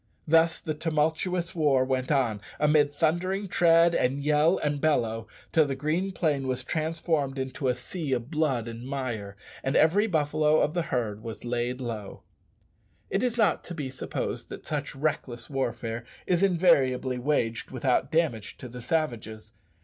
Thus the tumultuous war went on, amid thundering tread, and yell, and bellow, till the green plain was transformed into a sea of blood and mire, and every buffalo of the herd was laid low. It is not to be supposed that such reckless warfare is invariably waged without damage to the savages.